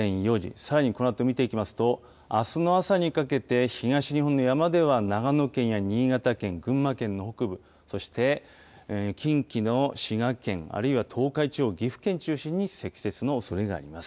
さらに、このあとあすの朝にかけて東日本の山では長野県や新潟県、群馬県の北部そして近畿の滋賀県あるいは東海地方岐阜県を中心に積雪のおそれがあります。